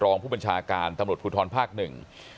รองผู้บัญชาการตำรวจภูทรภาคหนึ่ง